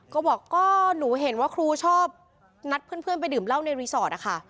ก็บอกก็หนูเห็นว่าครูชอบนัดเพื่อนไปดื่มเหล้าในรีสอร์ทนะคะ